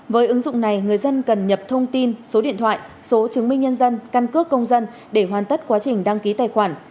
với ứng dụng này người dân cần nhập thông tin số điện thoại số chứng minh nhân dân căn cước công dân để hoàn tất quá trình đăng ký tài khoản